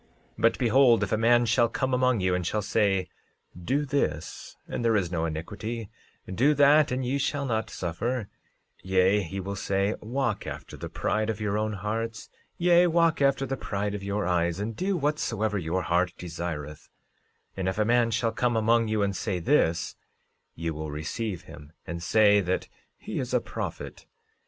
13:27 But behold, if a man shall come among you and shall say: Do this, and there is no iniquity; do that and ye shall not suffer; yea, he will say: Walk after the pride of your own hearts; yea, walk after the pride of your eyes, and do whatsoever your heart desireth—and if a man shall come among you and say this, ye will receive him, and say that he is a prophet.